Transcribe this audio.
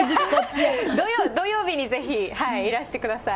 土曜日にぜひ、いらしてください。